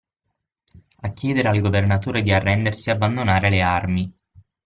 A chiedere al governatore di arrendersi e abbandonare le armi.